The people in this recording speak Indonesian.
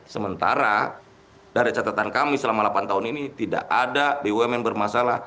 sementara dari catatan kami selama delapan tahun ini tidak ada bumn bermasalah